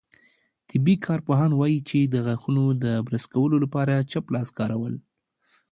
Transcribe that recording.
طبي کارپوهان وايي، چې د غاښونو د برس کولو لپاره چپ لاس کارول